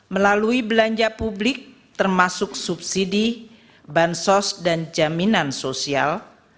melalui belanja publik termasuk subsidi bansos dan jaminan sosial